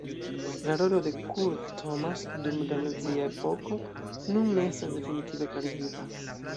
La rolo de Kurt Thomas dum la nazia epoko nun ne estas definitive klarigita.